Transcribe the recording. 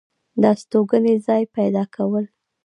دا ستوګنې ځاے پېدا كول